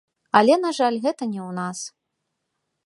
Але, на жаль, гэта не ў нас.